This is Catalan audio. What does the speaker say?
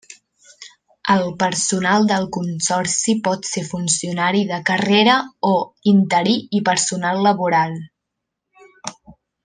El personal del consorci pot ser funcionari de carrera o interí i personal laboral.